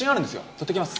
取ってきます。